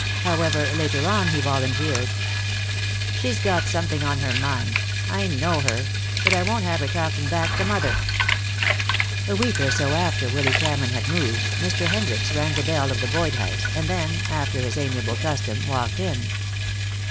However, later on he volunteered: "She's got something on her mind. I know her. But I won't have her talking back to mother." A week or so after Willy Cameron had moved, Mr. Hendricks rang the bell of the Boyd house, and then, after his amiable custom, walked in.